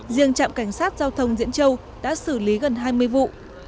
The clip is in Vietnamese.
riêng trạm cảnh sát giao thông diễn châu đã xử lý gần hai mươi vụ